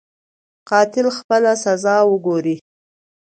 قاتل خپله سزا وګوري.